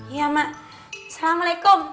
iya mak assalamualaikum